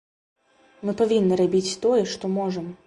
Мы павінны рабіць тое, што можам.